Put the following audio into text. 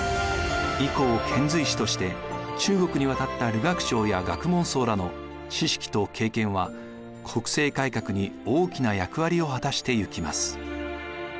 以降遣隋使として中国に渡った留学生や学問僧らの知識と経験は国政改革に大きな役割を果たしていきます。